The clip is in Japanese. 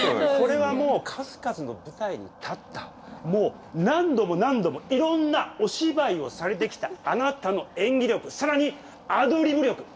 これはもう数々の舞台に立ったもう何度も何度もいろんなお芝居をされてきたあなたの演技力さらにアドリブ力！